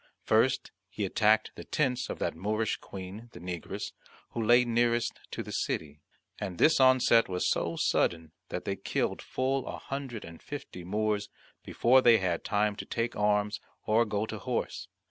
First he attacked the tents of that Moorish Queen, the Negress, who lay nearest to the city; and this onset was so sudden, that they killed full a hundred and fifty Moors before they had time to take arms or go to horse.